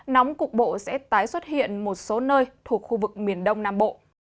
nóng cục bộ sẽ tái xuất hiện một số nơi thuộc khu vực miền đông nam bộ